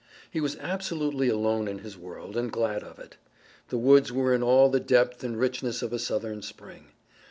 He was absolutely alone in his world, and glad of it. The woods were in all the depth and richness of a Southern spring.